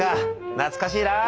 懐かしいな。